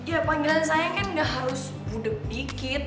ya panggilan sayang kan gak harus budep dikit